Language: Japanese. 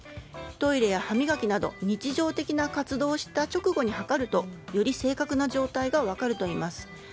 トイレや歯磨きなど日常的な活動をした直後に測るとより正確な状態が分かるといいます。